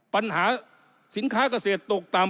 ปัญหาสินค้ากเศษตกตาม